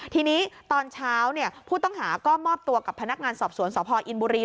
ทีนี้ตอนเช้าผู้ต้องหาก็มอบตัวกับพนักงานสอบสวนสพอินบุรี